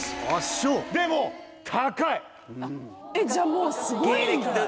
じゃあもうすごいんだ。